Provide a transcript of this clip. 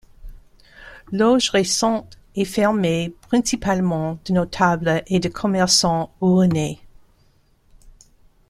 Loge récente et formée principalement de notables et de commerçants rouennais.